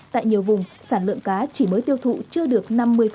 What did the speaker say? tại nhiều vùng sản lượng cá chỉ mới tiêu thụ chưa được năm mươi